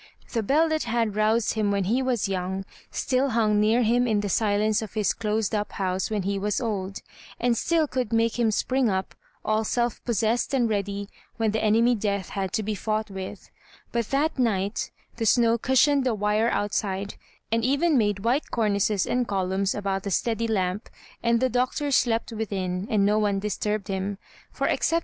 The bell that had roused him when he was young, still hung near him in the silence of his dosed up house when he was old, and still could make him spring np, all self possessed and ready, when the enemy death had to be fought wIiIl But that night the snow cushioned the wire out side, and even made white cornices and columns about the steady lamp, and the Doctor slept within, and no one disturbed him; for except M^.